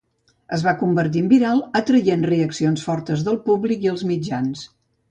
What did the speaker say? Es va convertir en viral atraient reaccions fortes del públic i els mitjans.